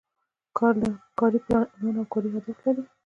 کاري پلان عنوان او کاري اهداف لري.